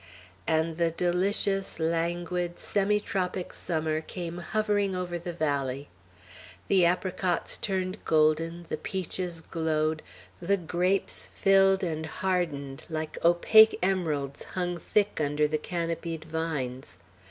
And the delicious, languid, semi tropic summer came hovering over the valley. The apricots turned golden, the peaches glowed, the grapes filled and hardened, like opaque emeralds hung thick under the canopied vines.